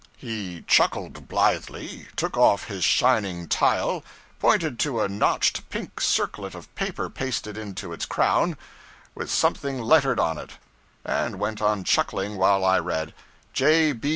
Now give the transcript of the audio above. He chuckled blithely, took off his shining tile, pointed to a notched pink circlet of paper pasted into its crown, with something lettered on it, and went on chuckling while I read, 'J.